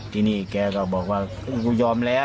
ที่นี่แกก็บอกว่ากูยอมแล้ว